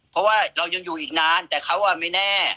เพราะว่าเรายังอยู่อีกนานแต่เขาไม่แน่